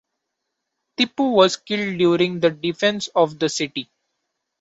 Tipu was killed during the defence of the city.